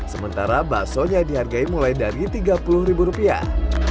sementara bakso nya dihargai mulai dari rp tiga puluh rupiah